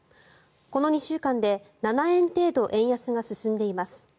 この２週間で７円程度、円安が進んでいます。